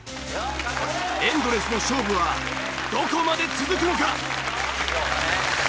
エンドレスの勝負はどこまで続くのか！？